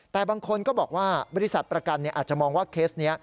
แต่บางคนก็บอกว่าบริษัทประกันอาจจะมองว่าเคสนี้